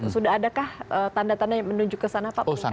sudah adakah tanda tanda yang menuju ke sana pak